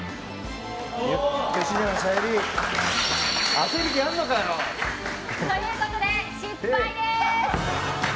当てる気あるのかよ。ということで、失敗です！